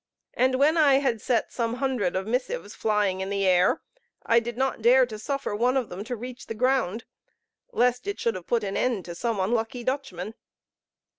And when I had set some hundred of missives flying in the air, I did not dare to suffer one of them to reach the ground, lest it should have put an end to some unlucky Dutchman.